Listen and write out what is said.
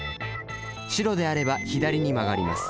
白であれば左に曲がります。